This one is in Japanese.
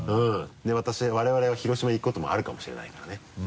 我々が広島行くこともあるかもしれないからね。